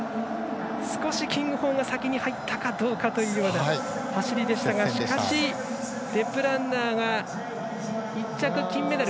少しキングホーンが先に入ったかどうかという走りでしたがしかしデプルンナーが１着、金メダル。